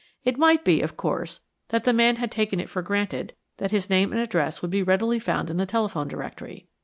It might be, of course, that the man had taken it for granted that his name and address would be readily found in the telephone directory.